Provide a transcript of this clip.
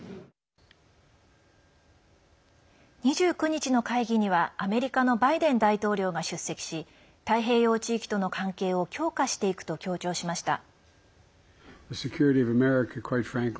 ２９日の会議にはアメリカのバイデン大統領が出席し太平洋地域との関係を強化していくと強調しました。